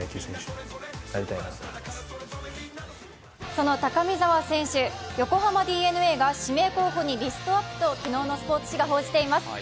その高見澤選手、横浜ＤｅＮＡが指名候補にリストアップと昨日のスポーツ紙が報じています。